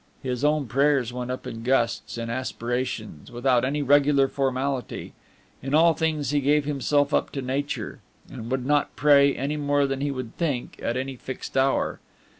His own prayers went up in gusts, in aspirations, without any regular formality; in all things he gave himself up to nature, and would not pray, any more than he would think, at any fixed hour.